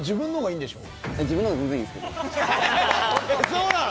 そうなの？